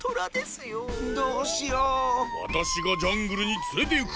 わたしがジャングルにつれていく。